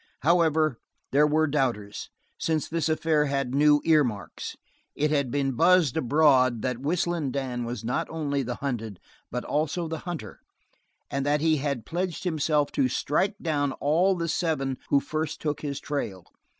However, there were doubters, since this affair had new earmarks. It had been buzzed abroad that Whistling Dan was not only the hunted, but also the hunter, and that he had pledged himself to strike down all the seven who first took his trail.